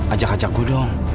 ajak ajak gua dong